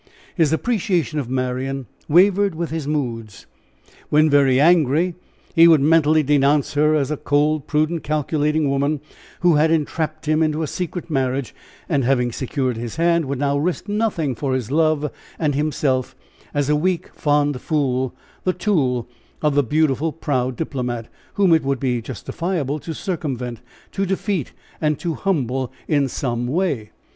His appreciation of Marian wavered with his moods. When very angry he would mentally denounce her as a cold, prudent, calculating woman, who had entrapped him into a secret marriage, and having secured his hand, would now risk nothing for his love, and himself as a weak, fond fool, the tool of the beautiful, proud diplomat, whom it would be justifiable to circumvent, to defeat, and to humble in some way.